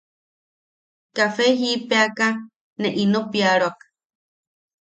Kafe jiʼipeʼeaka ne ino piaroak.